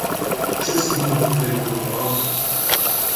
Ce se întâmplă cu pericolul moral?